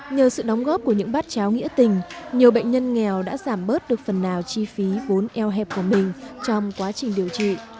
nhờ sự đóng góp của những bát cháo nghĩa tình nhiều bệnh nhân nghèo đã giảm bớt được phần nào chi phí vốn eo hẹp của mình trong quá trình điều trị